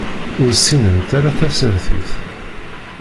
Ur ssinent ara tasertit.